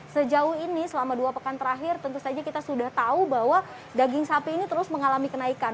sejauh ini selama dua pekan terakhir tentu saja kita sudah tahu bahwa daging sapi ini terus mengalami kenaikan